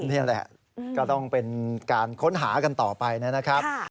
นี่แหละก็ต้องเป็นการค้นหากันต่อไปนะครับ